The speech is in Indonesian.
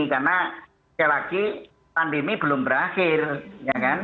karena sekali lagi pandemi belum berakhir ya kan